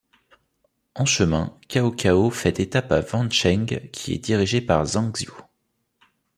En chemin, Cao Cao fait étape à Wancheng, qui est dirigé par Zhang Xiu.